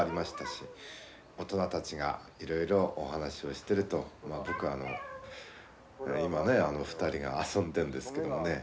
し大人たちがいろいろお話をしてると僕はあの今ねあの２人が遊んでんですけどね